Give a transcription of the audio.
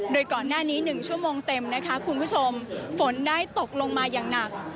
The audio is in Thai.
โดยก่อนหน้านี้๑ชั่วโมงเต็มนะคะคุณผู้ชมฝนได้ตกลงมาอย่างหนัก